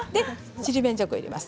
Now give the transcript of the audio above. ちりめんじゃこを入れます。